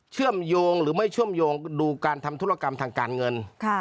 เชื่อมโยงหรือไม่เชื่อมโยงดูการทำธุรกรรมทางการเงิน